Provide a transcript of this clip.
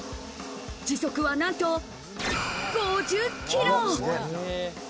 時速はなんと、５０キロ。